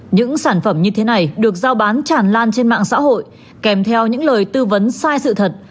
những sản phẩm như thế này được giao bán tràn lan trên mạng xã hội kèm theo những lời tư vấn sai sự thật